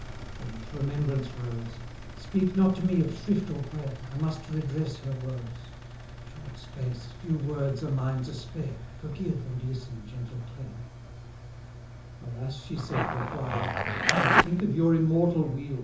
Then, as remembrance rose, 'Speak not to me of shrift or prayer! I must redress her woes. Short space, few words, are mine to spare 940 Forgive and listen, gentle Clare!' 'Alas!' she said, 'the while, O, think of your immortal weal!